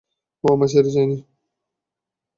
ও আমায় ছেড়ে যায়নি।